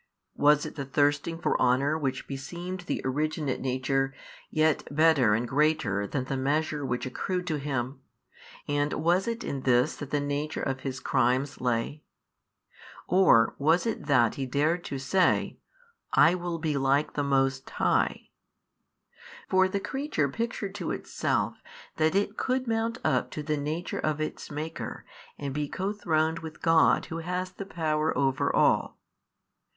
was it the thirsting for honour which beseemed the originate nature, yet better and greater than the measure which accrued to him, and was it in this that the nature of his crimes lay? or was it that he dared to say, I will be like the Most High? For the creature pictured to itself that it could mount up to the Nature of its Maker and be co throned with God Who has the power over all.